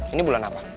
ini bulan apa